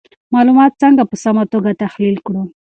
معلومات څنګه په سمه توګه تحلیل کړو؟